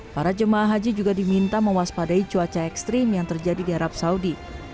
para jemaah haji juga diminta mewaspadai cuaca ekstrim yang terjadi di arab saudi